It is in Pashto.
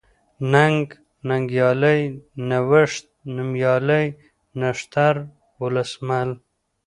ننگ ، ننگيالی ، نوښت ، نوميالی ، نښتر ، ولسمل